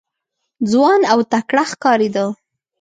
ځوان او تکړه ښکارېده.